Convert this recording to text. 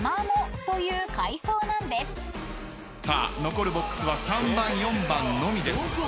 さあ残るボックスは３番４番のみです。